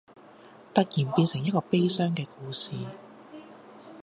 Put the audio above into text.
突然變成一個悲傷嘅故事